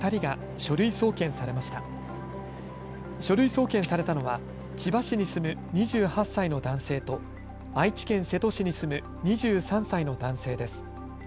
書類送検されたのは千葉市に住む２８歳の男性と愛知県瀬戸市に住む２３歳の男性です。